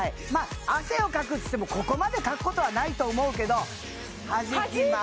汗をかくっていってもここまでかくことはないと思うけどはじきます